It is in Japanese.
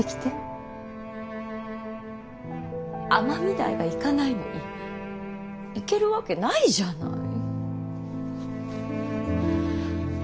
尼御台が行かないのに行けるわけないじゃない。